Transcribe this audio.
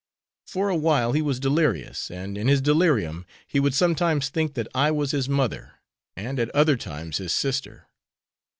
For awhile he was delirious, and in his delirium he would sometimes think that I was his mother and at other times his sister.